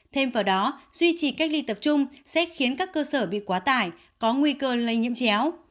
thêm vào đó duy trì cách ly tập trung sẽ khiến các cơ sở bị quá tải có nguy cơ lây nhiễm chéo